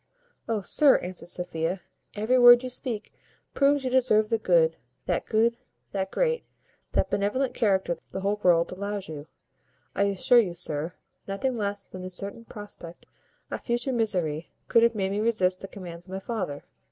"Oh! sir," answered Sophia, "every word you speak proves you deserve that good, that great, that benevolent character the whole world allows you. I assure you, sir, nothing less than the certain prospect of future misery could have made me resist the commands of my father."